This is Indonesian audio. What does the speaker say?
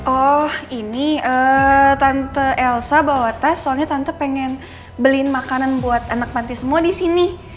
oh ini tante elsa bawa tas soalnya tante pengen beliin makanan buat anak panti semua di sini